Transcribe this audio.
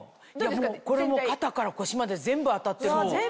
これ肩から腰まで全部当たってるもん。